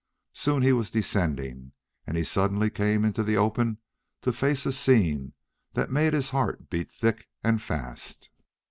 Soon he was descending, and he suddenly came into the open to face a scene that made his heart beat thick and fast.